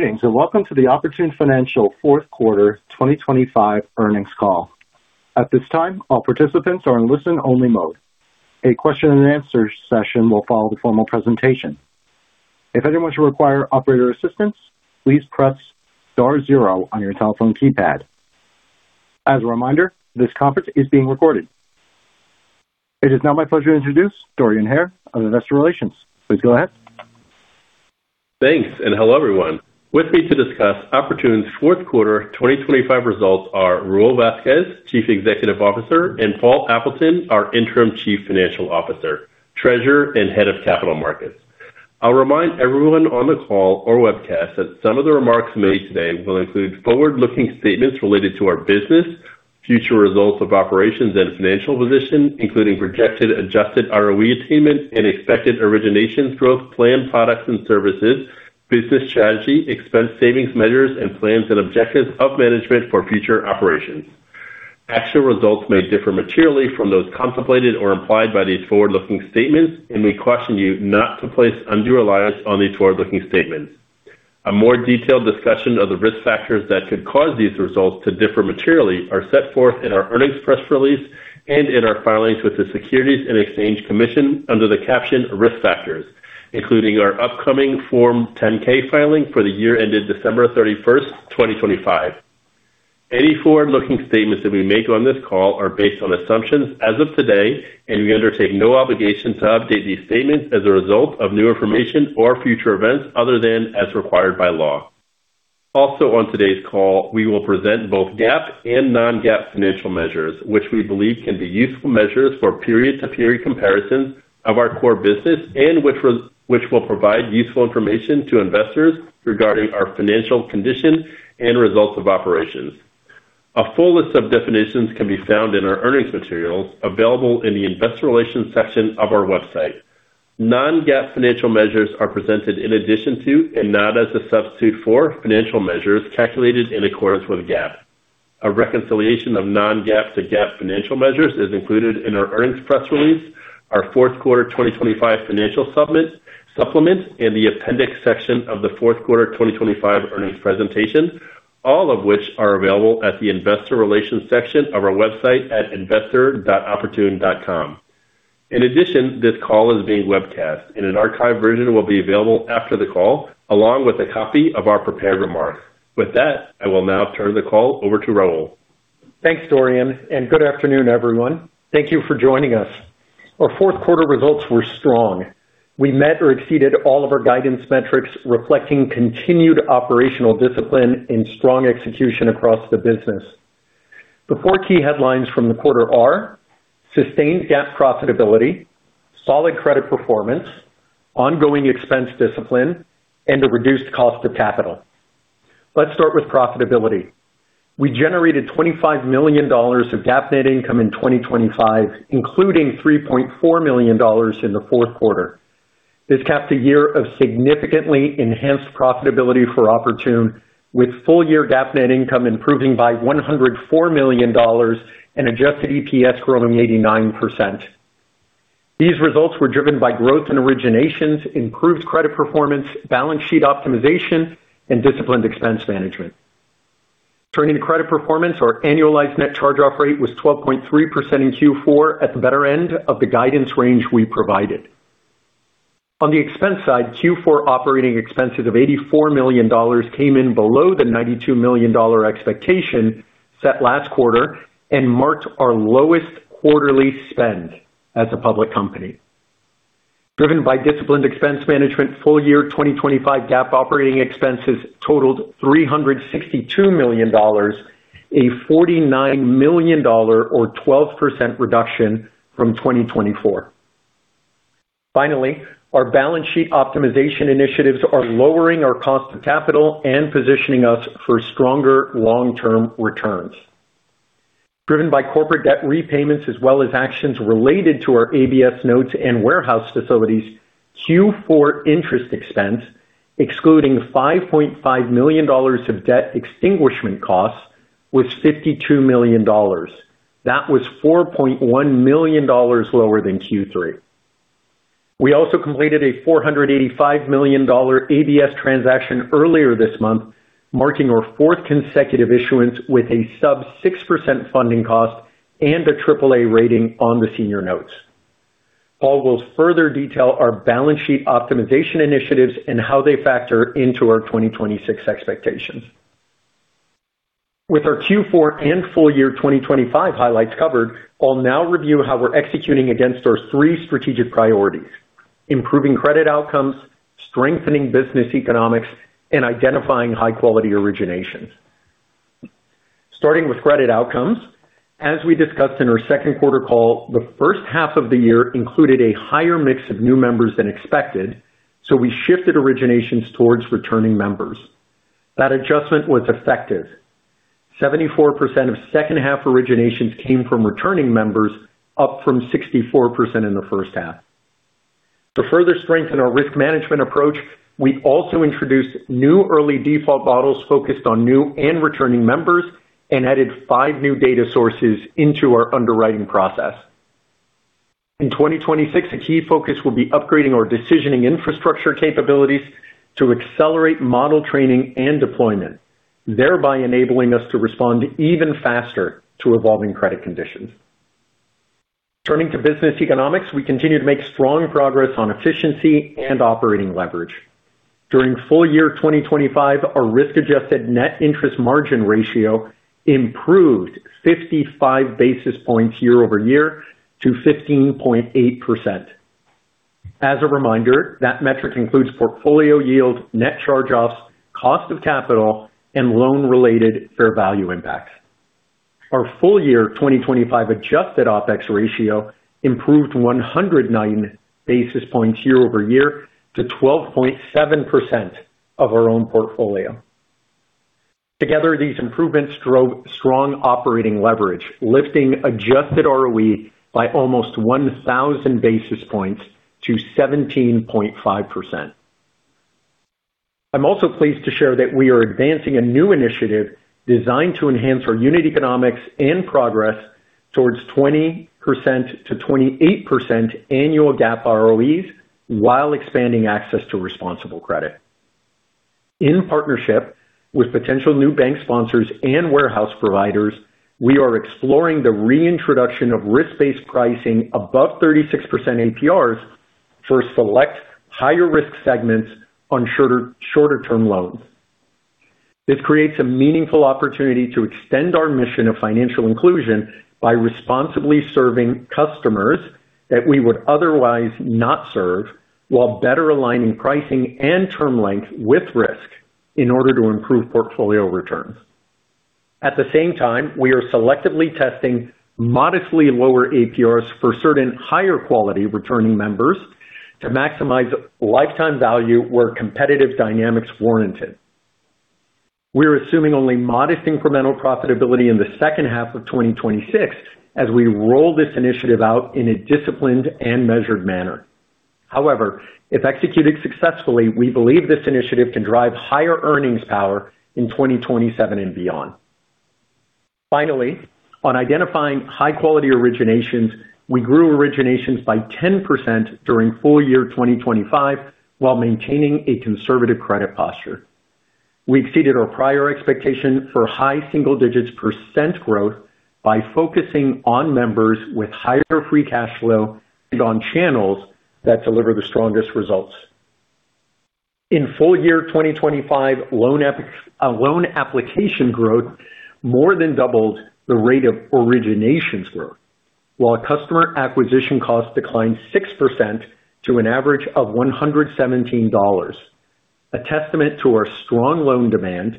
Greetings, welcome to the Oportun Financial fourth quarter 2025 earnings call. At this time, all participants are in listen-only mode. A question and answer session will follow the formal presentation. If anyone should require operator assistance, please press star zero on your telephone keypad. As a reminder, this conference is being recorded. It is now my pleasure to introduce Dorian Hare of Investor Relations. Please go ahead. Thanks. Hello, everyone. With me to discuss Oportun's fourth quarter 2025 results are Raul Vazquez, Chief Executive Officer, and Paul Appleton, our Interim Chief Financial Officer, Treasurer, and Head of Capital Markets. I'll remind everyone on the call or webcast that some of the remarks made today will include forward-looking statements related to our business, future results of operations and financial position, including projected adjusted ROE attainment and expected origination growth, planned products and services, business strategy, expense savings measures, and plans and objectives of management for future operations. Actual results may differ materially from those contemplated or implied by these forward-looking statements, and we caution you not to place undue reliance on these forward-looking statements. A more detailed discussion of the risk factors that could cause these results to differ materially are set forth in our earnings press release and in our filings with the Securities and Exchange Commission under the caption Risk Factors, including our upcoming Form 10-K filing for the year ended December 31, 2025. We undertake no obligation to update these statements as a result of new information or future events other than as required by law. On today's call, we will present both GAAP and non-GAAP financial measures, which we believe can be useful measures for period-to-period comparisons of our core business and which will provide useful information to investors regarding our financial condition and results of operations. A full list of definitions can be found in our earnings materials available in the investor relations section of our website. Non-GAAP financial measures are presented in addition to, and not as a substitute for, financial measures calculated in accordance with GAAP. A reconciliation of non-GAAP to GAAP financial measures is included in our earnings press release, our fourth quarter 2025 financial supplement, and the appendix section of the fourth quarter 2025 earnings presentation, all of which are available at the investor relations section of our website at investor.oportun.com. In addition, this call is being webcast and an archived version will be available after the call, along with a copy of our prepared remarks. With that, I will now turn the call over to Raul. Thanks, Dorian, and good afternoon, everyone. Thank you for joining us. Our fourth quarter results were strong. We met or exceeded all of our guidance metrics, reflecting continued operational discipline and strong execution across the business. The four key headlines from the quarter are sustained GAAP profitability, solid credit performance, ongoing expense discipline, and a reduced cost of capital. Let's start with profitability. We generated $25 million of GAAP net income in 2025, including $3.4 million in the fourth quarter. This capped a year of significantly enhanced profitability for Oportun, with full-year GAAP net income improving by $104 million and adjusted EPS growing 89%. These results were driven by growth in originations, improved credit performance, balance sheet optimization, and disciplined expense management. Turning to credit performance, our annualized net charge-off rate was 12.3% in Q4 at the better end of the guidance range we provided. On the expense side, Q4 operating expenses of $84 million came in below the $92 million expectation set last quarter and marked our lowest quarterly spend as a public company. Driven by disciplined expense management, full-year 2025 GAAP operating expenses totaled $362 million, a $49 million or 12% reduction from 2024. Finally, our balance sheet optimization initiatives are lowering our cost of capital and positioning us for stronger long-term returns. Driven by corporate debt repayments as well as actions related to our ABS notes and warehouse facilities, Q4 interest expense, excluding $5.5 million of debt extinguishment costs, was $52 million. That was $4.1 million lower than Q3. We also completed a $485 million ABS transaction earlier this month, marking our fourth consecutive issuance with a sub 6% funding cost and a AAA rating on the senior notes. Paul will further detail our balance sheet optimization initiatives and how they factor into our 2026 expectations. With our Q4 and full year 2025 highlights covered, I'll now review how we're executing against our three strategic priorities: improving credit outcomes, strengthening business economics, and identifying high-quality originations. Starting with credit outcomes. As we discussed in our second quarter call, the first half of the year included a higher mix of new members than expected, so we shifted originations towards returning members. That adjustment was effective. 74% of second-half originations came from returning members, up from 64% in the first half. To further strengthen our risk management approach, we also introduced new early default models focused on new and returning members and added five new data sources into our underwriting process. In 2026, a key focus will be upgrading our decisioning infrastructure capabilities to accelerate model training and deployment, thereby enabling us to respond even faster to evolving credit conditions. Turning to business economics. We continue to make strong progress on efficiency and operating leverage. During full year 2025, our risk-adjusted net interest margin ratio improved 55 basis points year-over-year to 15.8%. As a reminder, that metric includes portfolio yield, net charge-offs, cost of capital, and loan-related fair value impacts. Our full year 2025 adjusted OpEx ratio improved 109 basis points year-over-year to 12.7% of our own portfolio. Together, these improvements drove strong operating leverage, lifting adjusted ROE by almost 1,000 basis points to 17.5%. I'm also pleased to share that we are advancing a new initiative designed to enhance our unit economics and progress towards 20%-28% annual GAAP ROEs while expanding access to responsible credit. In partnership with potential new bank sponsors and warehouse providers, we are exploring the reintroduction of risk-based pricing above 36% APRs for select higher-risk segments on shorter-term loans. This creates a meaningful opportunity to extend our mission of financial inclusion by responsibly serving customers that we would otherwise not serve, while better aligning pricing and term length with risk in order to improve portfolio returns. At the same time, we are selectively testing modestly lower APRs for certain higher-quality returning members to maximize lifetime value where competitive dynamics warranted. We are assuming only modest incremental profitability in the second half of 2026 as we roll this initiative out in a disciplined and measured manner. If executed successfully, we believe this initiative can drive higher earnings power in 2027 and beyond. On identifying high-quality originations, we grew originations by 10% during full year 2025 while maintaining a conservative credit posture. We exceeded our prior expectation for high single digits % growth by focusing on members with higher free cash flow and on channels that deliver the strongest results. In full year 2025, loan application growth more than doubled the rate of originations growth. Customer acquisition costs declined 6% to an average of $117, a testament to our strong loan demand,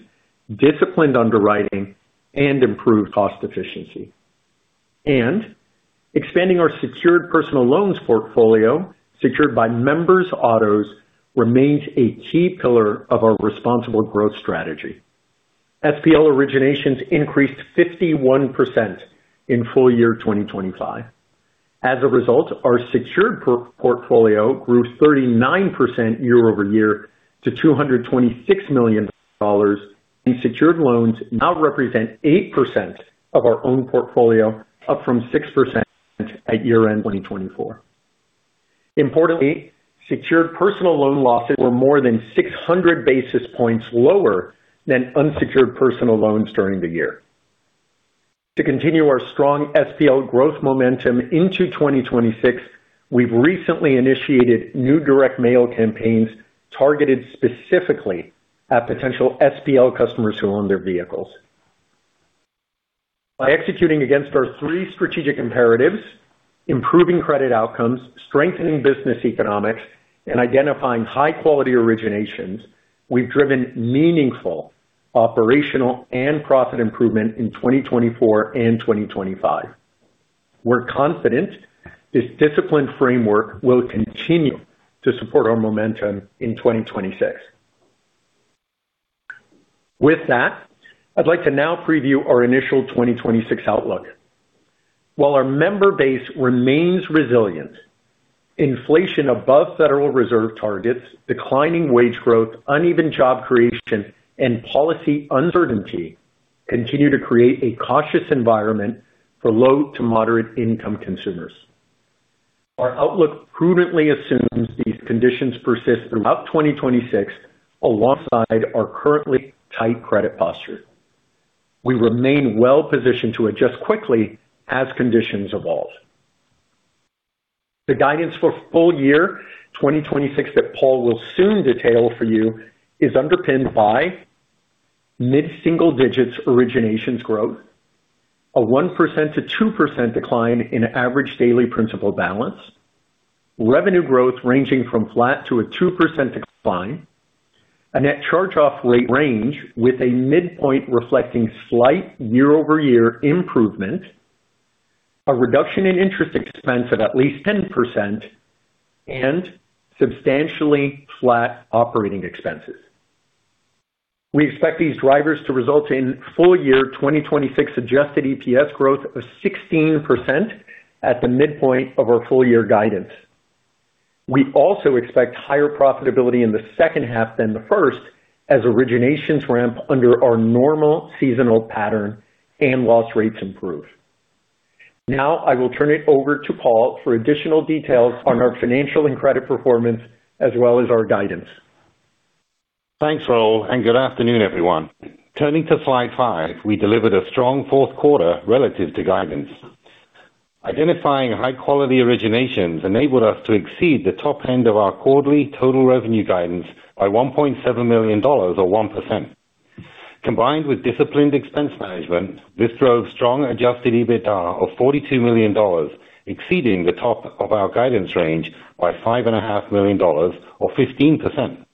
disciplined underwriting, and improved cost efficiency. Expanding our secured personal loans portfolio secured by members' autos remains a key pillar of our responsible growth strategy. SPL originations increased 51% in full year 2025. As a result, our secured portfolio grew 39% year-over-year to $226 million. These secured loans now represent 8% of our own portfolio, up from 6% at year-end 2024. Importantly, secured personal loan losses were more than 600 basis points lower than unsecured personal loans during the year. To continue our strong SPL growth momentum into 2026, we've recently initiated new direct mail campaigns targeted specifically at potential SPL customers who own their vehicles. By executing against our three strategic imperatives, improving credit outcomes, strengthening business economics, and identifying high-quality originations, we've driven meaningful operational and profit improvement in 2024 and 2025. We're confident this disciplined framework will continue to support our momentum in 2026. With that, I'd like to now preview our initial 2026 outlook. While our member base remains resilient, inflation above Federal Reserve targets, declining wage growth, uneven job creation, and policy uncertainty continue to create a cautious environment for low to moderate-income consumers. Our outlook prudently assumes these conditions persist throughout 2026 alongside our currently tight credit posture. We remain well-positioned to adjust quickly as conditions evolve. The guidance for full year 2026 that Paul will soon detail for you is underpinned by mid-single-digit originations growth, a 1%-2% decline in average daily principal balance, revenue growth ranging from flat to a 2% decline, a net charge-off rate range with a midpoint reflecting slight year-over-year improvement, a reduction in interest expense of at least 10%, and substantially flat operating expenses. We expect these drivers to result in full year 2026 adjusted EPS growth of 16% at the midpoint of our full-year guidance. We also expect higher profitability in the second half than the first as originations ramp under our normal seasonal pattern and loss rates improve. I will turn it over to Paul for additional details on our financial and credit performance, as well as our guidance. Thanks, Raul. Good afternoon, everyone. Turning to slide 5, we delivered a strong fourth quarter relative to guidance. Identifying high quality originations enabled us to exceed the top end of our quarterly total revenue guidance by $1.7 million or 1%. Combined with disciplined expense management, this drove strong adjusted EBITDA of $42 million, exceeding the top of our guidance range by $5.5 million or 15%.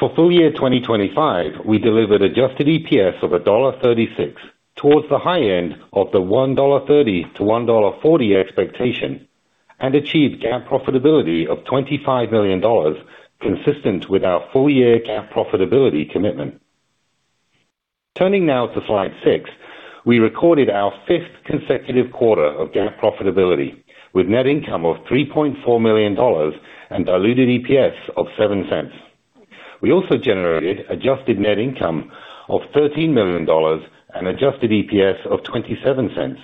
For full year 2025, we delivered adjusted EPS of $1.36 towards the high end of the $1.30-$1.40 expectation and achieved GAAP profitability of $25 million consistent with our full year GAAP profitability commitment. Turning now to slide 6. We recorded our fifth consecutive quarter of GAAP profitability with net income of $3.4 million and diluted EPS of $0.07. We also generated adjusted net income of $13 million and adjusted EPS of $0.27.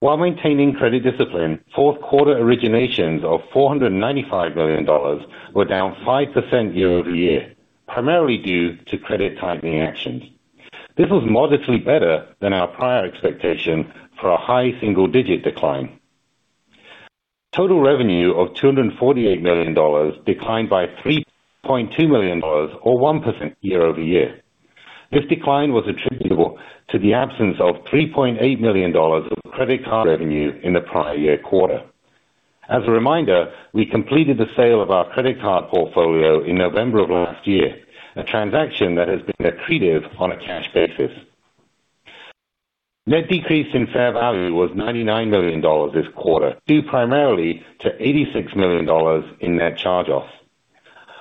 While maintaining credit discipline, fourth quarter originations of $495 million were down 5% year-over-year, primarily due to credit tightening actions. This was modestly better than our prior expectation for a high single-digit decline. Total revenue of $248 million declined by $3.2 million or 1% year-over-year. This decline was attributable to the absence of $3.8 million of credit card revenue in the prior year quarter. As a reminder, we completed the sale of our credit card portfolio in November of last year, a transaction that has been accretive on a cash basis. Net decrease in fair value was $99 million this quarter, due primarily to $86 million in net charge-offs.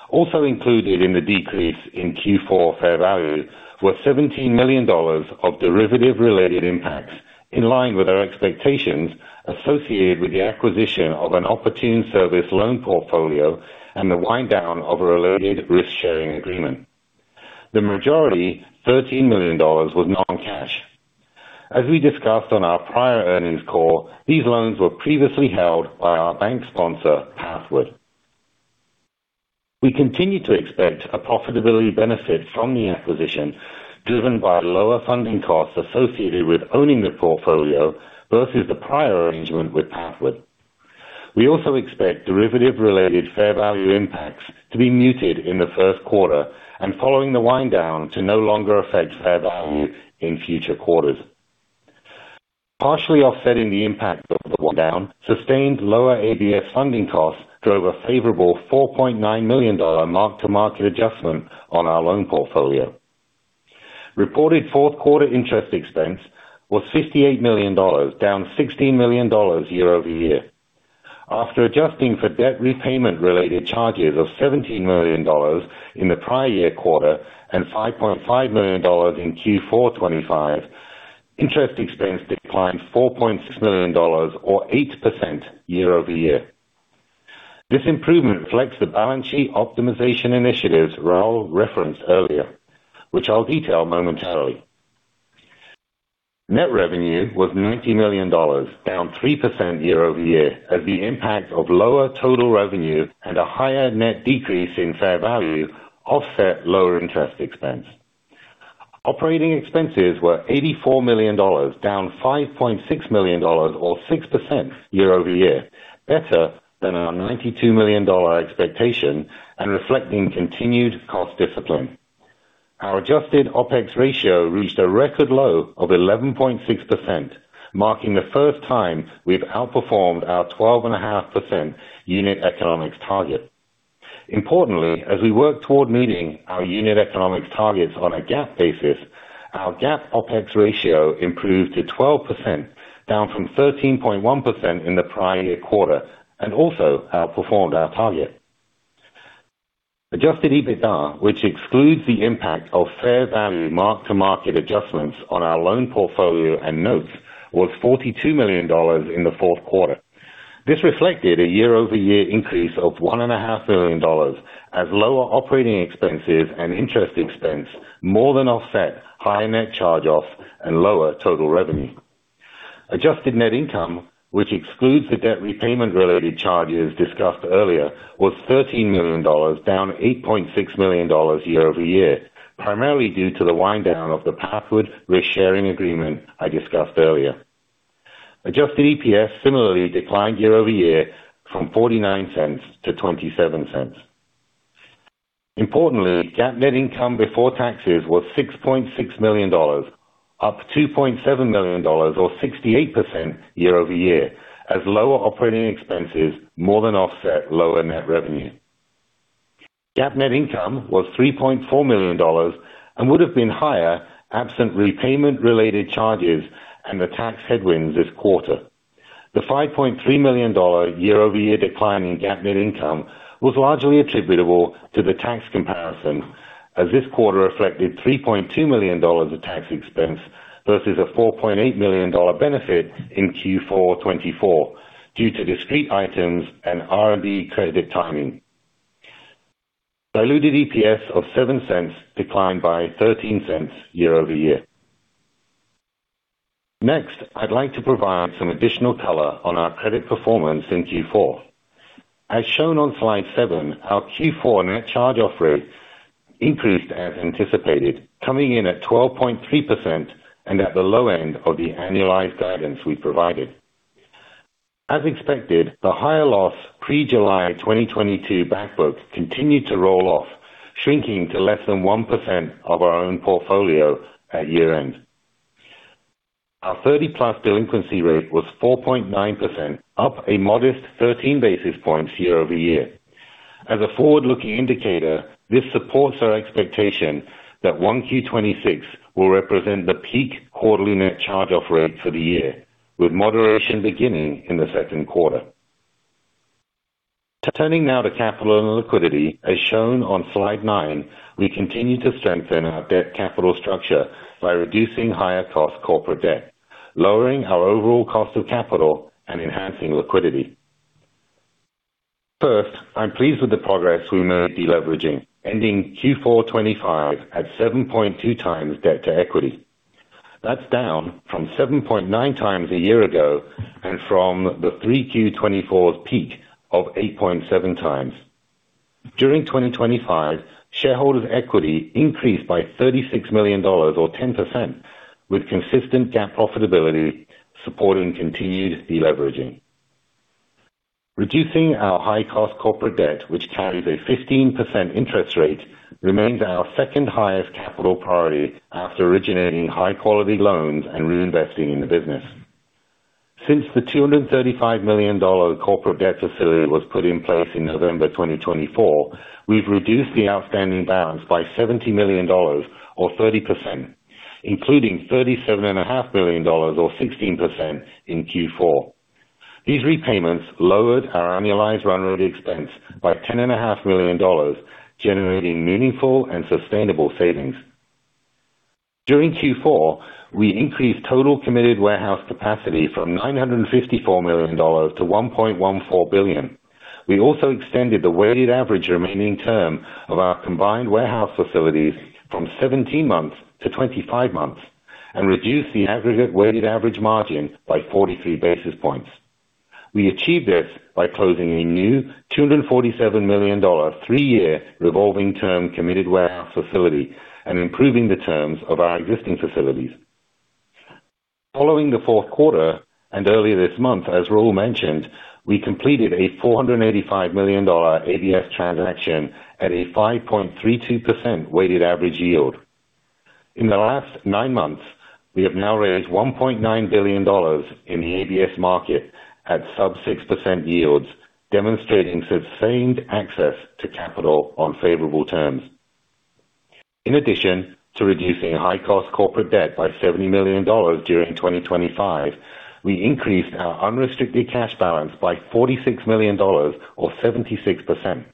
Also included in the decrease in Q4 fair value were $17 million of derivative-related impacts in line with our expectations associated with the acquisition of an Oportun service loan portfolio and the wind down of a related risk-sharing agreement. The majority, $13 million, was non-cash. As we discussed on our prior earnings call, these loans were previously held by our bank sponsor, Pathward. We continue to expect a profitability benefit from the acquisition, driven by lower funding costs associated with owning the portfolio versus the prior arrangement with Pathward. We also expect derivative-related fair value impacts to be muted in the first quarter and following the wind down to no longer affect fair value in future quarters. Partially offsetting the impact of the wind down, sustained lower ABS funding costs drove a favorable $4.9 million mark-to-market adjustment on our loan portfolio. Reported fourth quarter interest expense was $58 million, down $16 million year-over-year. After adjusting for debt repayment-related charges of $17 million in the prior year quarter and $5.5 million in Q4 2025, interest expense declined $4.6 million or 8% year-over-year. This improvement reflects the balance sheet optimization initiatives Raul referenced earlier, which I'll detail momentarily. Net revenue was $90 million, down 3% year-over-year as the impact of lower total revenue and a higher net decrease in fair value offset lower interest expense. Operating expenses were $84 million, down $5.6 million or 6% year-over-year, better than our $92 million expectation and reflecting continued cost discipline. Our adjusted OpEx ratio reached a record low of 11.6%, marking the first time we've outperformed our 12.5% unit economics target. Importantly, as we work toward meeting our unit economics targets on a GAAP basis, our GAAP OpEx ratio improved to 12%, down from 13.1% in the prior-year quarter and also outperformed our target. Adjusted EBITDA, which excludes the impact of fair value mark-to-market adjustments on our loan portfolio and notes, was $42 million in the fourth quarter. This reflected a year-over-year increase of one and a half million dollars as lower operating expenses and interest expense more than offset higher net charge-offs and lower total revenue. Adjusted net income, which excludes the debt repayment-related charges discussed earlier, was $13 million, down $8.6 million year-over-year, primarily due to the wind down of the Pathward risk-sharing agreement I discussed earlier. Adjusted EPS similarly declined year-over-year from $0.49 to $0.27. Importantly, GAAP net income before taxes was $6.6 million, up $2.7 million or 68% year-over-year as lower operating expenses more than offset lower net revenue. GAAP net income was $3.4 million and would have been higher absent repayment-related charges and the tax headwinds this quarter. The $5.3 million year-over-year decline in GAAP net income was largely attributable to the tax comparison. As this quarter reflected $3.2 million of tax expense versus a $4.8 million benefit in Q4 2024 due to discrete items and R&D credit timing. Diluted EPS of $0.07 declined by $0.13 year-over-year. Next, I'd like to provide some additional color on our credit performance in Q4. As shown on slide 7, our Q4 net charge-off rate increased as anticipated, coming in at 12.3% and at the low end of the annualized guidance we provided. As expected, the higher loss pre-July 2022 back books continued to roll off, shrinking to less than 1% of our own portfolio at year-end. Our 30+ delinquency rate was 4.9%, up a modest 13 basis points year-over-year. As a forward-looking indicator, this supports our expectation that 1 Q '26 will represent the peak quarterly net charge-off rate for the year, with moderation beginning in the second quarter. Turning now to capital and liquidity. As shown on slide 9, we continue to strengthen our debt capital structure by reducing higher cost corporate debt, lowering our overall cost of capital and enhancing liquidity. First, I'm pleased with the progress we made deleveraging, ending Q4 '25 at 7.2 times debt-to-equity. That's down from 7.9 times a year ago and from the 3 Q '24 peak of 8.7 times. During 2025, shareholders equity increased by $36 million or 10%, with consistent GAAP profitability supporting continued deleveraging. Reducing our high cost corporate debt, which carries a 15% interest rate, remains our second highest capital priority after originating high quality loans and reinvesting in the business. Since the $235 million corporate debt facility was put in place in November 2024, we've reduced the outstanding balance by $70 million or 30%, including $37.5 million or 16% in Q4. These repayments lowered our annualized run rate expense by ten and a half million dollars, generating meaningful and sustainable savings. During Q4, we increased total committed warehouse capacity from $954 million to $1.14 billion. We also extended the weighted average remaining term of our combined warehouse facilities from 17 months to 25 months and reduced the aggregate weighted average margin by 43 basis points. We achieved this by closing a new $247 million three-year revolving term committed warehouse facility and improving the terms of our existing facilities. Following the fourth quarter and earlier this month, as Raul mentioned, we completed a $485 million ABS transaction at a 5.32% weighted average yield. In the last nine months, we have now raised $1.9 billion in the ABS market at sub 6% yields, demonstrating sustained access to capital on favorable terms. In addition to reducing high cost corporate debt by $70 million during 2025, we increased our unrestricted cash balance by $46 million or 76%.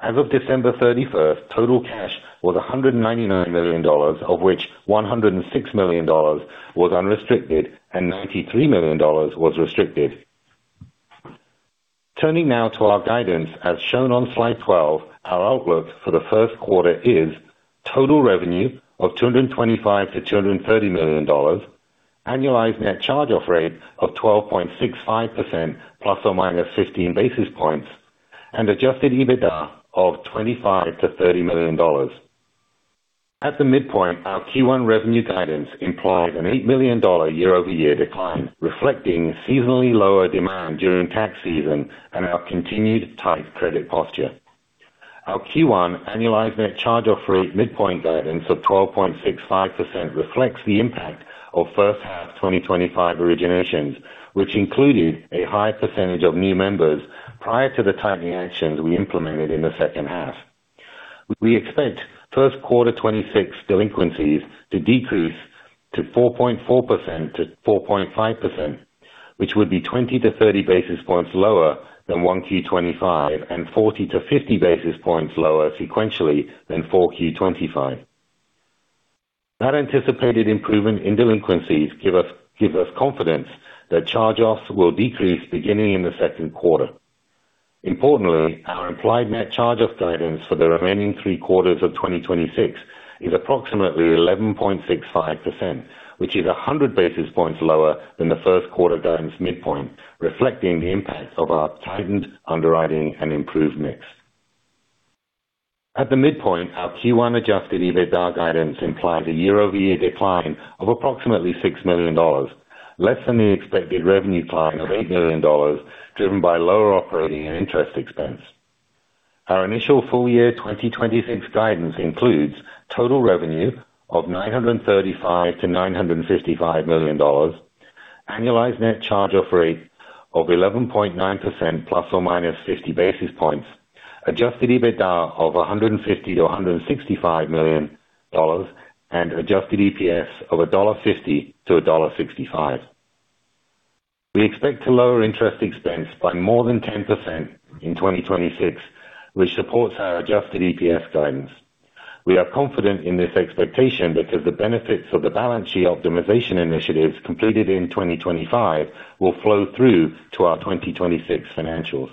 As of December 31st, total cash was $199 million, of which $106 million was unrestricted and $93 million was restricted. Turning now to our guidance, as shown on slide 12, our outlook for the first quarter is total revenue of $225 million-$230 million, annualized net charge-off rate of 12.65% ±15 basis points, and adjusted EBITDA of $25 million-$30 million. At the midpoint, our Q1 revenue guidance implies an $8 million year-over-year decline, reflecting seasonally lower demand during tax season and our continued tight credit posture. Our Q1 annualized net charge-off rate midpoint guidance of 12.65% reflects the impact of first half 2025 originations, which included a high percentage of new members prior to the tightening actions we implemented in the second half. We expect first quarter 2026 delinquencies to decrease to 4.4%-4.5%, which would be 20-30 basis points lower than 1Q 2025 and 40-50 basis points lower sequentially than 4Q 2025. That anticipated improvement in delinquencies give us confidence that charge-offs will decrease beginning in the second quarter. Importantly, our implied net charge-offs guidance for the remaining three quarters of 2026 is approximately 11.65%, which is 100 basis points lower than the first quarter guidance midpoint, reflecting the impact of our tightened underwriting and improved mix. At the midpoint, our Q1 adjusted EBITDA guidance implies a year-over-year decline of approximately $6 million, less than the expected revenue decline of $8 million, driven by lower operating and interest expense. Our initial full year 2026 guidance includes total revenue of $935 million-$955 million, annualized net charge-off rate of 11.9% ±50 basis points, adjusted EBITDA of $150 million-$165 million, and adjusted EPS of $1.50-$1.65. We expect to lower interest expense by more than 10% in 2026, which supports our adjusted EPS guidance. We are confident in this expectation because the benefits of the balance sheet optimization initiatives completed in 2025 will flow through to our 2026 financials.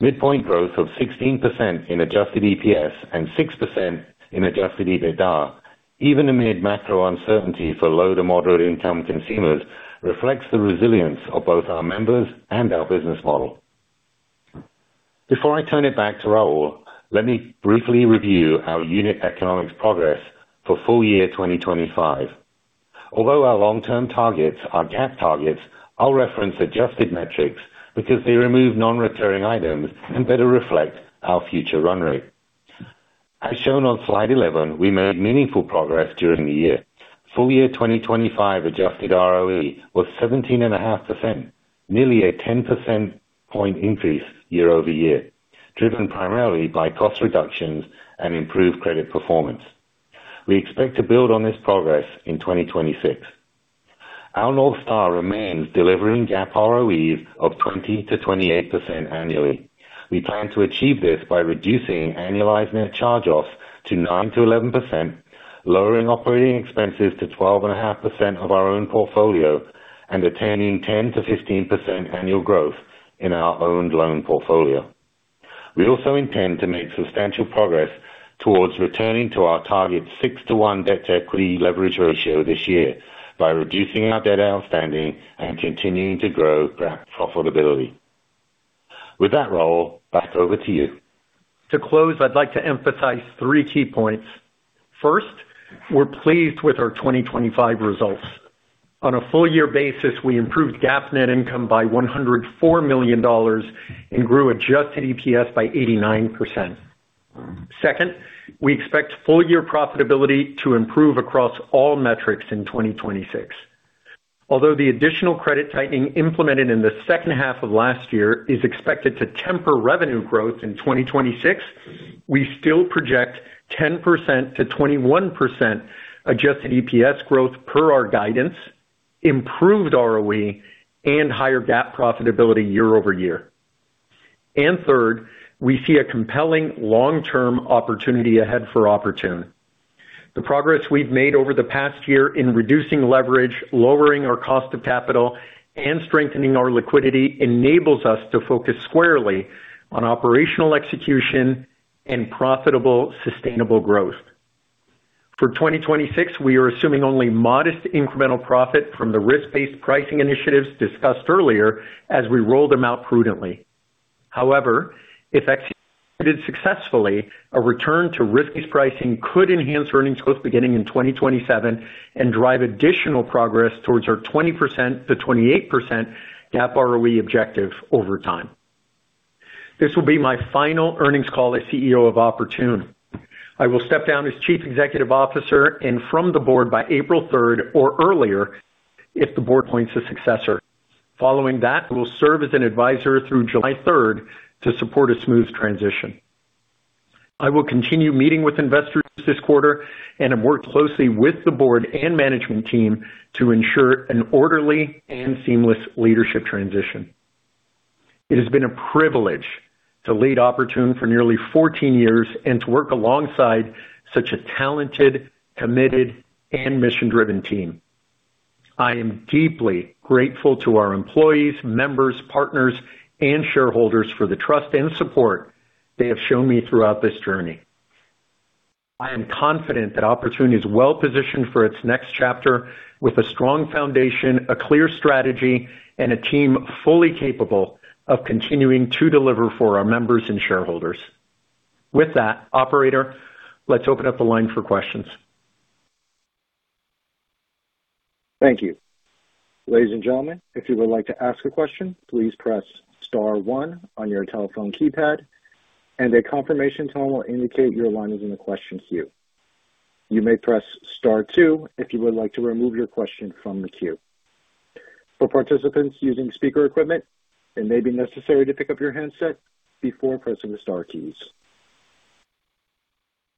Midpoint growth of 16% in adjusted EPS and 6% in adjusted EBITDA, even amid macro uncertainty for low-to-moderate-income consumers, reflects the resilience of both our members and our business model. Before I turn it back to Raul, let me briefly review our unit economics progress for full year 2025. Although our long-term targets are GAAP targets, I'll reference adjusted metrics because they remove non-recurring items and better reflect our future run rate. As shown on slide 11, we made meaningful progress during the year. Full year 2025 adjusted ROE was 17.5%, nearly a 10 percentage point increase year-over-year, driven primarily by cost reductions and improved credit performance. We expect to build on this progress in 2026. Our North Star remains delivering GAAP ROEs of 20%-28% annually. We plan to achieve this by reducing annualized net charge-offs to 9%-11%, lowering operating expenses to 12.5% of our own portfolio, and attaining 10%-15% annual growth in our owned loan portfolio. We also intend to make substantial progress towards returning to our target 6-to-1 debt-to-equity leverage ratio this year by reducing our debt outstanding and continuing to grow profitability. With that, Raul, back over to you. To close, I'd like to emphasize three key points. First, we're pleased with our 2025 results. On a full year basis, we improved GAAP net income by $104 million and grew adjusted EPS by 89%. Second, we expect full year profitability to improve across all metrics in 2026. Although the additional credit tightening implemented in the second half of last year is expected to temper revenue growth in 2026, we still project 10%-21% adjusted EPS growth per our guidance, improved ROE, and higher GAAP profitability year-over-year. Third, we see a compelling long-term opportunity ahead for Oportun. The progress we've made over the past year in reducing leverage, lowering our cost of capital, and strengthening our liquidity enables us to focus squarely on operational execution and profitable, sustainable growth. For 2026, we are assuming only modest incremental profit from the risk-based pricing initiatives discussed earlier as we roll them out prudently. However, if executed successfully, a return to risk-based pricing could enhance earnings growth beginning in 2027 and drive additional progress towards our 20%-28% GAAP ROE objective over time. This will be my final earnings call as CEO of Oportun. I will step down as Chief Executive Officer and from the board by April 3rd or earlier if the board appoints a successor. Following that, I will serve as an advisor through July 3rd to support a smooth transition. I will continue meeting with investors this quarter and have worked closely with the board and management team to ensure an orderly and seamless leadership transition. It has been a privilege to lead Oportun for nearly 14 years and to work alongside such a talented, committed, and mission-driven team. I am deeply grateful to our employees, members, partners, and shareholders for the trust and support they have shown me throughout this journey. I am confident that Oportun is well-positioned for its next chapter with a strong foundation, a clear strategy, and a team fully capable of continuing to deliver for our members and shareholders. With that, operator, let's open up the line for questions. Thank you. Ladies and gentlemen, if you would like to ask a question, please press star one on your telephone keypad and a confirmation tone will indicate your line is in the question queue. You may press star two if you would like to remove your question from the queue. For participants using speaker equipment, it may be necessary to pick up your handset before pressing the star keys.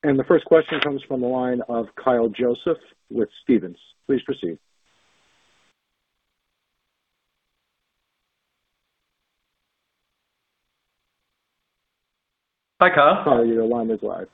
The first question comes from the line of Kyle Joseph with Stephens. Please proceed. Hi, Kyle. Sorry, your line is live.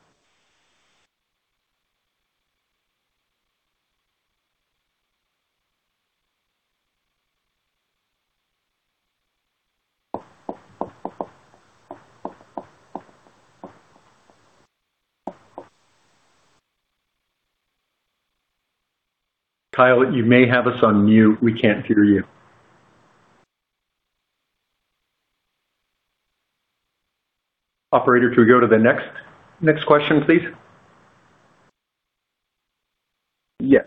Kyle, you may have us on mute. We can't hear you. Operator, could we go to the next question, please? Yes.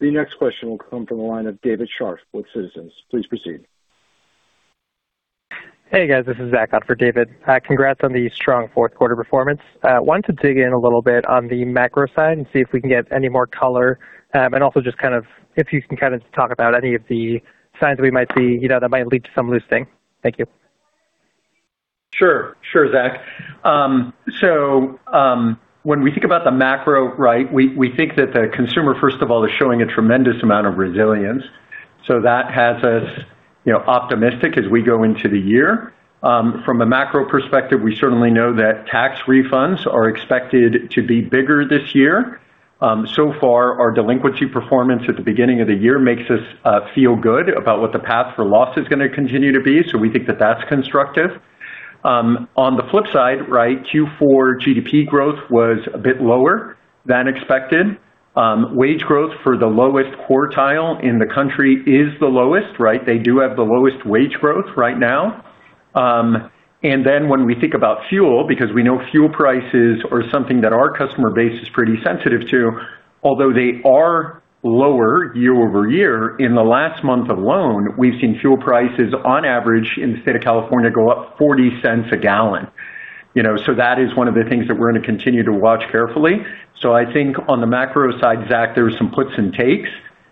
The next question will come from the line of David Scharf with Citizens. Please proceed. Hey, guys. This is Zach on for David. Congrats on the strong fourth quarter performance. Wanted to dig in a little bit on the macro side and see if we can get any more color. Also just kind of if you can kind of talk about any of the signs we might see, you know, that might lead to some loosening. Thank you. Sure. Sure, Zach. So, when we think about the macro, right, we think that the consumer, first of all, is showing a tremendous amount of resilience. That has us, you know, optimistic as we go into the year. From a macro perspective, we certainly know that tax refunds are expected to be bigger this year. So far, our delinquency performance at the beginning of the year makes us feel good about what the path for loss is gonna continue to be. We think that's constructive. On the flip side, right, Q4 GDP growth was a bit lower than expected. Wage growth for the lowest quartile in the country is the lowest, right? They do have the lowest wage growth right now. When we think about fuel, because we know fuel prices are something that our customer base is pretty sensitive to, although they are lower year-over-year, in the last month alone, we've seen fuel prices on average in the state of California go up $0.40 a gallon. You know, that is one of the things that we're gonna continue to watch carefully. I think on the macro side, Zach, there is some puts and takes,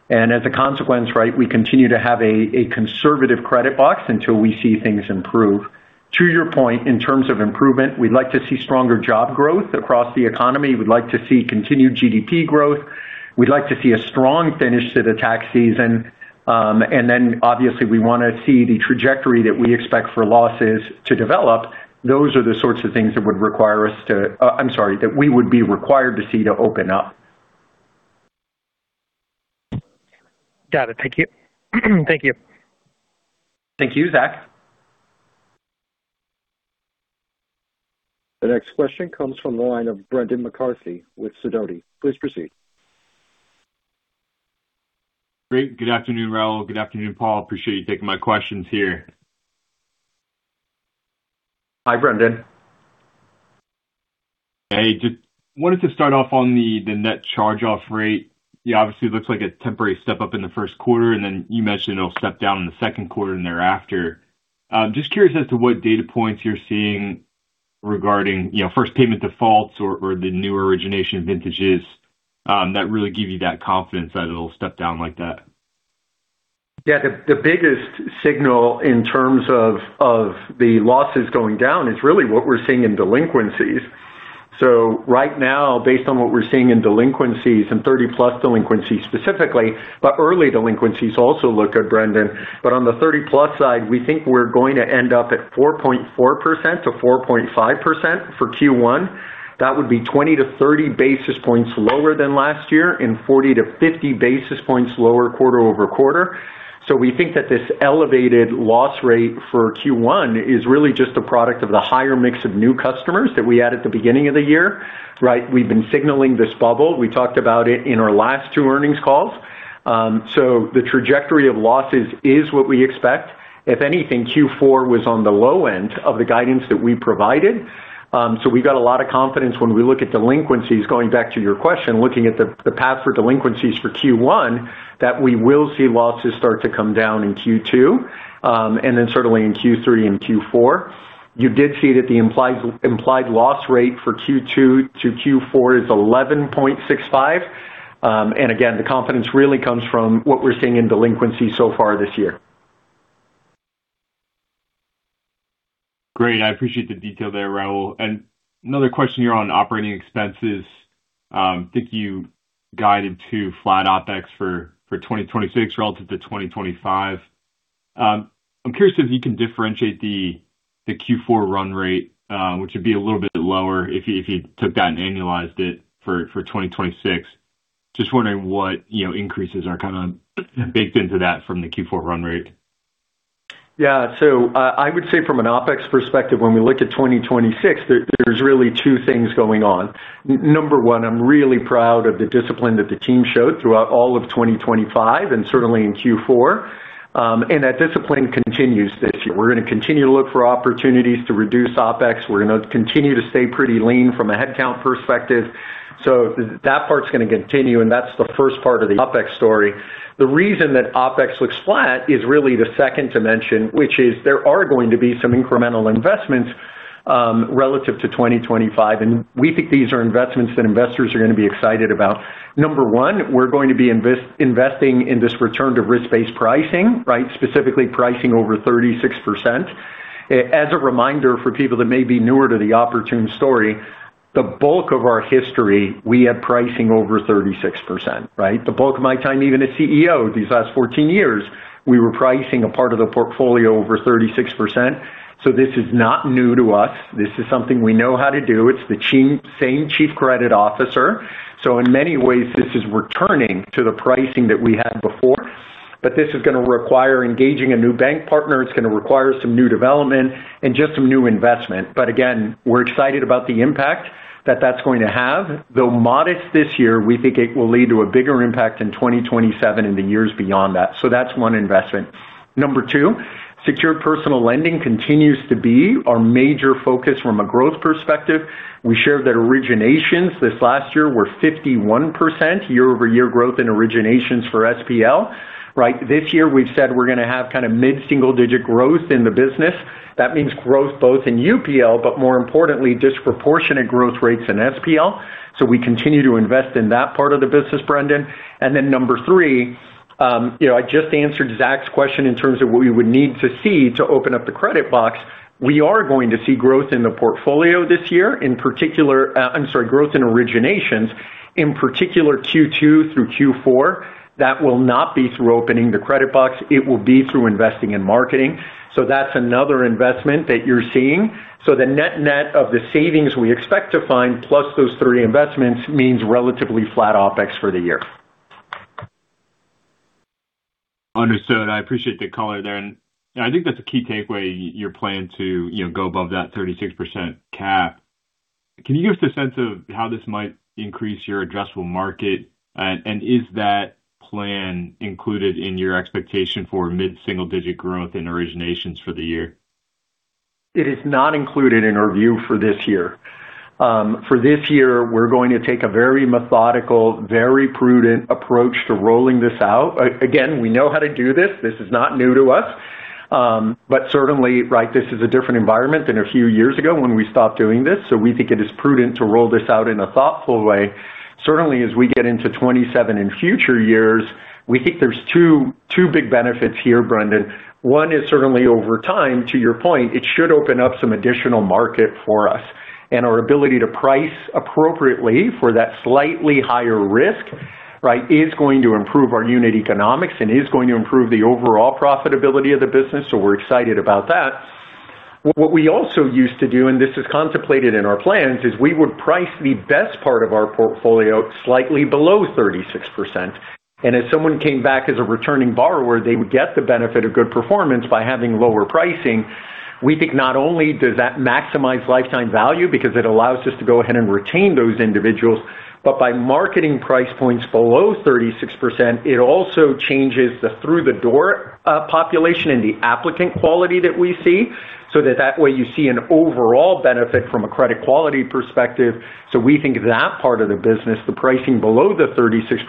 and as a consequence, right, we continue to have a conservative credit box until we see things improve. To your point, in terms of improvement, we'd like to see stronger job growth across the economy. We'd like to see continued GDP growth. We'd like to see a strong finish to the tax season. Obviously we wanna see the trajectory that we expect for losses to develop. Those are the sorts of things that would require, I'm sorry, that we would be required to see to open up. Got it. Thank you. Thank you. Thank you, Zach. The next question comes from the line of Brendan McCarthy with Sidoti. Please proceed. Great. Good afternoon, Raul. Good afternoon, Paul. Appreciate you taking my questions here. Hi, Brendan. Just wanted to start off on the net charge-off rate. Obviously looks like a temporary step up in the first quarter, and then you mentioned it'll step down in the second quarter and thereafter. Just curious as to what data points you're seeing regarding, you know, first payment defaults or the new origination vintages that really give you that confidence that it'll step down like that? Yeah. The biggest signal in terms of the losses going down is really what we're seeing in delinquencies. Right now, based on what we're seeing in delinquencies and 30-plus delinquencies specifically, but early delinquencies also look good, Brendan. On the 30-plus side, we think we're going to end up at 4.4%-4.5% for Q1. That would be 20-30 basis points lower than last year and 40-50 basis points lower quarter-over-quarter. We think that this elevated loss rate for Q1 is really just a product of the higher mix of new customers that we had at the beginning of the year, right? We've been signaling this bubble. We talked about it in our last two earnings calls. The trajectory of losses is what we expect. If anything, Q4 was on the low end of the guidance that we provided. We've got a lot of confidence when we look at delinquencies, going back to your question, looking at the path for delinquencies for Q1, that we will see losses start to come down in Q2, and then certainly in Q3 and Q4. You did see that the implied loss rate for Q2 to Q4 is 11.65%. Again, the confidence really comes from what we're seeing in delinquencies so far this year. Great. I appreciate the detail there, Raul. Another question here on operating expenses. Think you guided to flat OpEx for 2026 relative to 2025. I'm curious if you can differentiate the Q4 run rate, which would be a little bit lower if you, if you took that and annualized it for 2026. Just wondering what, you know, increases are kind of baked into that from the Q4 run rate. Yeah. From an OpEx perspective, when we look at 2026, there's really two things going on. Number one, I'm really proud of the discipline that the team showed throughout all of 2025 and certainly in Q4. That discipline continues this year. We're gonna continue to look for opportunities to reduce OpEx. We're gonna continue to stay pretty lean from a headcount perspective. That part's gonna continue, and that's the first part of the OpEx story. The reason that OpEx looks flat is really the second dimension, which is there are going to be some incremental investments, relative to 2025, and we think these are investments that investors are gonna be excited about. Number one, we're going to be investing in this return to risk-based pricing, right? Specifically pricing over 36%. As a reminder for people that may be newer to the Oportun story, the bulk of our history, we had pricing over 36%, right? The bulk of my time, even as CEO these last 14 years, we were pricing a part of the portfolio over 36%. This is not new to us. This is something we know how to do. It's the same chief credit officer. In many ways, this is returning to the pricing that we had before. This is going to require engaging a new bank partner. It's going to require some new development and just some new investment. Again, we're excited about the impact that that's going to have. Though modest this year, we think it will lead to a bigger impact in 2027 and the years beyond that. That's one investment. Number two, secured personal lending continues to be our major focus from a growth perspective. We shared that originations this last year were 51% year-over-year growth in originations for SPL, right? This year we've said we're gonna have kind of mid-single-digit growth in the business. That means growth both in UPL, but more importantly, disproportionate growth rates in SPL. We continue to invest in that part of the business, Brendan. Number three, you know, I just answered Zach's question in terms of what we would need to see to open up the credit box. We are going to see growth in the portfolio this year. In particular, growth in originations, in particular Q2 through Q4. That will not be through opening the credit box, it will be through investing in marketing. That's another investment that you're seeing. The net-net of the savings we expect to find plus those 3 investments means relatively flat OpEx for the year. Understood. I appreciate the color there. I think that's a key takeaway, your plan to, you know, go above that 36% cap. Can you give us a sense of how this might increase your addressable market? Is that plan included in your expectation for mid-single digit growth in originations for the year? It is not included in our view for this year. For this year, we're going to take a very methodical, very prudent approach to rolling this out. Again, we know how to do this. This is not new to us. Certainly, right, this is a different environment than a few years ago when we stopped doing this. We think it is prudent to roll this out in a thoughtful way. Certainly as we get into 2027 and future years, we think there's 2 big benefits here, Brendan. One is certainly over time, to your point, it should open up some additional market for us. Our ability to price appropriately for that slightly higher risk, right, is going to improve our unit economics and is going to improve the overall profitability of the business. We're excited about that. What we also used to do, this is contemplated in our plans, is we would price the best part of our portfolio slightly below 36%. If someone came back as a returning borrower, they would get the benefit of good performance by having lower pricing. We think not only does that maximize lifetime value because it allows us to go ahead and retain those individuals, but by marketing price points below 36%, it also changes the through-the-door population and the applicant quality that we see, so that way you see an overall benefit from a credit quality perspective. We think that part of the business, the pricing below the 36%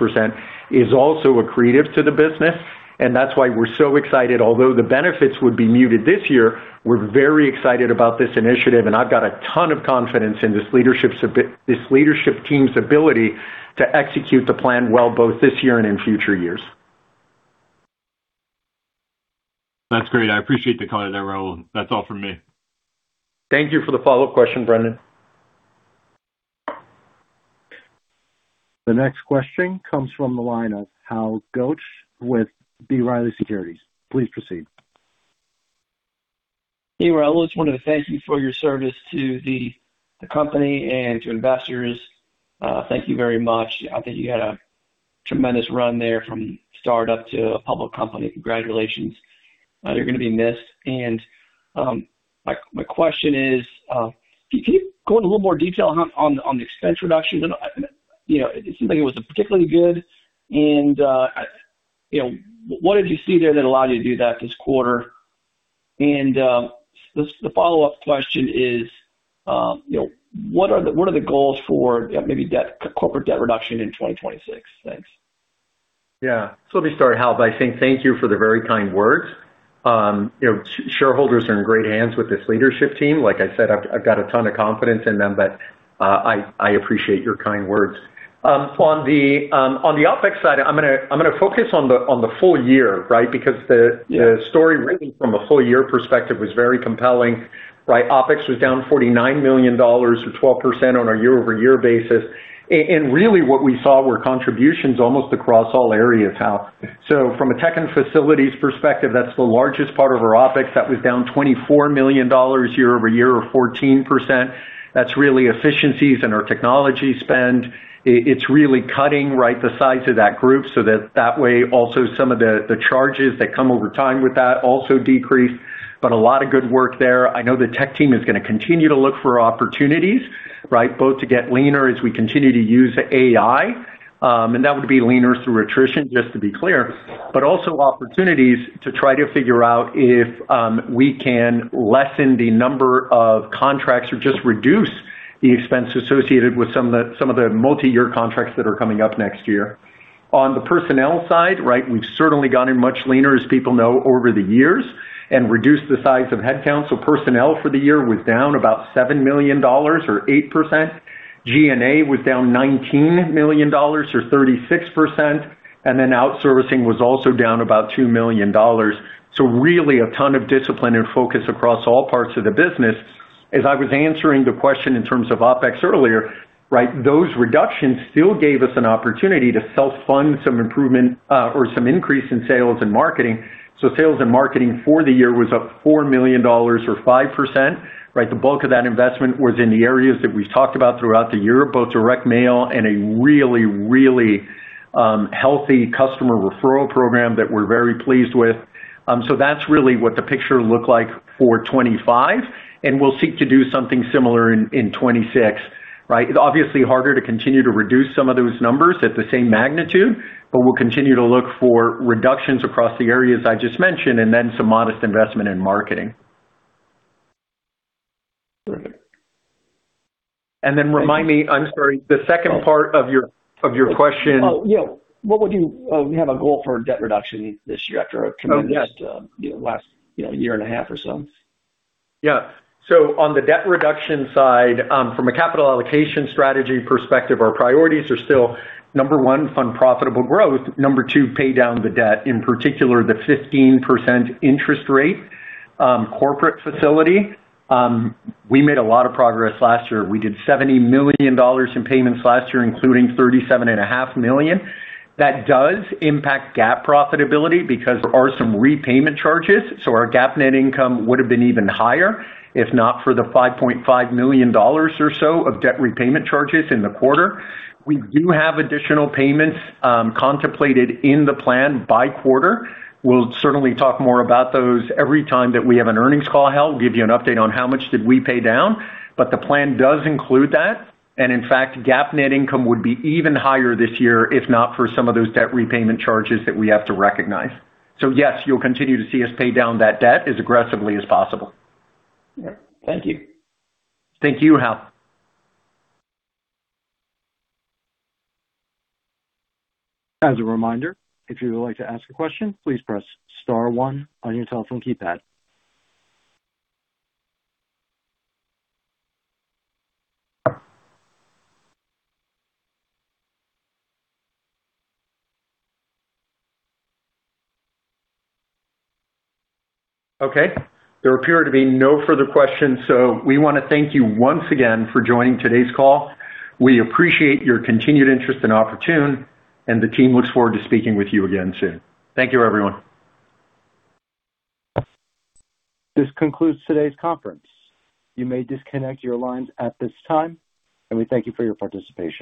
is also accretive to the business. That's why we're so excited. Although the benefits would be muted this year, we're very excited about this initiative, and I've got a ton of confidence in this leadership team's ability to execute the plan well, both this year and in future years. That's great. I appreciate the color there, Raul. That's all from me. Thank you for the follow-up question, Brendan. The next question comes from the line of Hal Goetsch with B. Riley Securities. Please proceed. Hey, Raul. Just wanted to thank you for your service to the company and to investors. Thank you very much. I think you had a tremendous run there from startup to a public company. Congratulations. You're gonna be missed. My question is, can you go into a little more detail on the expense reduction? You know, it seems like it was particularly good. You know, what did you see there that allowed you to do that this quarter? The follow-up question is, you know, what are the goals for maybe corporate debt reduction in 2026? Thanks. Yeah. Let me start, Hal, by saying thank you for the very kind words. You know, shareholders are in great hands with this leadership team. Like I said, I've got a ton of confidence in them, but I appreciate your kind words. On the OpEx side, I'm gonna focus on the full year, right? Because Yeah. The story really from a full year perspective was very compelling, right? OpEx was down $49 million or 12% on a year-over-year basis. Really what we saw were contributions almost across all areas, Hal. From a tech and facilities perspective, that's the largest part of our OpEx. That was down $24 million year-over-year or 14%. That's really efficiencies in our technology spend. It's really cutting, right, the size of that group so that that way also some of the charges that come over time with that also decrease. A lot of good work there. I know the tech team is gonna continue to look for opportunities, right? Both to get leaner as we continue to use AI, and that would be leaner through attrition just to be clear. Also opportunities to try to figure out if we can lessen the number of contracts or just reduce the expense associated with some of the multi-year contracts that are coming up next year. On the personnel side, right, we've certainly gotten much leaner, as people know, over the years and reduced the size of head count. Personnel for the year was down about $7 million or 8%. G&A was down $19 million or 36%. Outsourcing was also down about $2 million. Really a ton of discipline and focus across all parts of the business. As I was answering the question in terms of OpEx earlier, right, those reductions still gave us an opportunity to self-fund some improvement or some increase in sales and marketing. Sales and marketing for the year was up $4 million or 5%, right? The bulk of that investment was in the areas that we've talked about throughout the year, both direct mail and a really healthy customer referral program that we're very pleased with. That's really what the picture looked like for 2025, and we'll seek to do something similar in 2026. Right. It's obviously harder to continue to reduce some of those numbers at the same magnitude, but we'll continue to look for reductions across the areas I just mentioned, and then some modest investment in marketing. Perfect. Remind me, I'm sorry, the second part of your, of your question? Oh, yeah. What would you have a goal for debt reduction this year after a tremendous, you know, last, you know, year and a half or so? On the debt reduction side, from a capital allocation strategy perspective, our priorities are still, number one, fund profitable growth, number two, pay down the debt. In particular, the 15% interest rate corporate facility. We made a lot of progress last year. We did $70 million in payments last year, including $37.5 million. That does impact GAAP profitability because there are some repayment charges, so our GAAP net income would have been even higher if not for the $5.5 million or so of debt repayment charges in the quarter. We do have additional payments contemplated in the plan by quarter. We'll certainly talk more about those every time that we have an earnings call held. We'll give you an update on how much did we pay down, but the plan does include that. In fact, GAAP net income would be even higher this year, if not for some of those debt repayment charges that we have to recognize. Yes, you'll continue to see us pay down that debt as aggressively as possible. Yeah. Thank you. Thank you, Hal. As a reminder, if you would like to ask a question, please press star one on your telephone keypad. There appear to be no further questions. We wanna thank you once again for joining today's call. We appreciate your continued interest in Oportun. The team looks forward to speaking with you again soon. Thank you, everyone. This concludes today's conference. You may disconnect your lines at this time. We thank you for your participation.